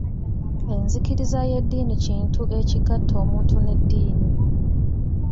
Enzikiriza y'eddiini kintu ekigatta omuntu n'eddiini